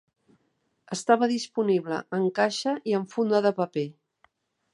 Estava disponible en caixa i en funda de paper.